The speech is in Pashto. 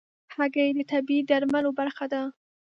هګۍ د طبيعي درملو برخه ده.